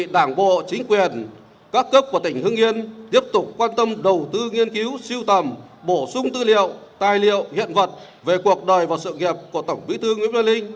đảng bộ chính quyền các cấp của tỉnh hưng yên tiếp tục quan tâm đầu tư nghiên cứu siêu tầm bổ sung tư liệu tài liệu hiện vật về cuộc đời và sự nghiệp của tổng bí thư nguyễn văn linh